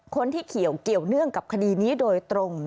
คนที่เกี่ยวเนื่องกับคดีนี้โดยตรง